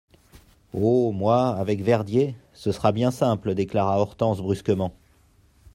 Oh ! moi, avec Verdier, ce sera bien simple, déclara Hortense brusquement.